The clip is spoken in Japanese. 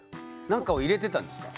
何かを入れてたんですか？